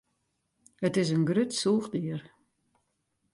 It is in grut sûchdier.